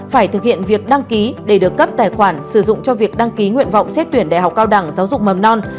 phải thực hiện việc đăng ký để được cấp tài khoản sử dụng cho việc đăng ký nguyện vọng xét tuyển đại học cao đẳng giáo dục mầm non